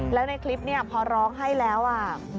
แล้วในคลิปนี้พอร้องให้แล้วอ่ะ